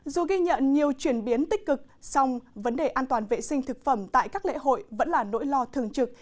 dù ghi nhận nhiều chuyển biến tích cực song vấn đề an toàn vệ sinh thực phẩm tại các lễ hội vẫn là nỗi lo thường trực